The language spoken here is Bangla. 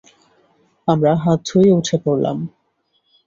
আমরা হাত ধুয়ে উঠে পড়লাম।